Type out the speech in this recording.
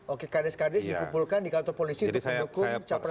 oke kdes kdes dikumpulkan di kantor polisi untuk mendukung capres satu